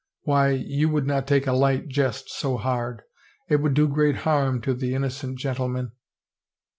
Why, you would not take a light jest so hard — it would do great harm to the innocent gentleman."